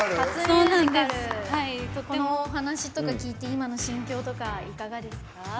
このお話とか聞いて今の心境とかいかがですか？